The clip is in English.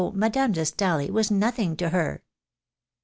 Madame de Stale was nothing to her